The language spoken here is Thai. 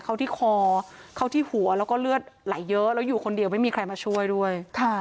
เข้าที่คอเข้าที่หัวแล้วก็เลือดไหลเยอะแล้วอยู่คนเดียวไม่มีใครมาช่วยด้วย